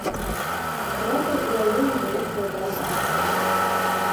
З працай у раёне было складана.